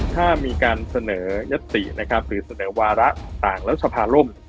ถ้ามีการเสนอยัตตินะครับหรือเสนอวาระต่างแล้วสภาล่ม